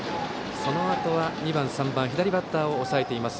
そのあとは２番、３番の左バッターを抑えています。